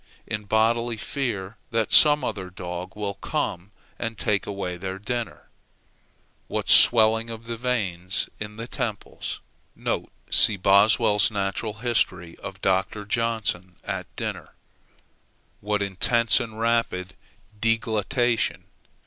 in bodily fear that some other dog will come and take their dinner away. What swelling of the veins in the temples! (see Boswell's natural history of Dr. Johnson at dinner;) what intense and rapid deglutition!